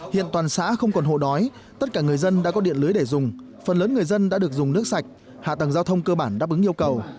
hiện toàn xã không còn hộ đói tất cả người dân đã có điện lưới để dùng phần lớn người dân đã được dùng nước sạch hạ tầng giao thông cơ bản đáp ứng yêu cầu